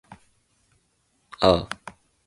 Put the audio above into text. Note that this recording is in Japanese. ああ